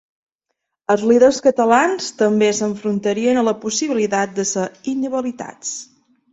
Els líders catalans també s’enfrontarien a la possibilitat de ser inhabilitats.